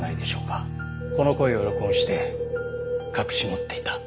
この声を録音して隠し持っていた。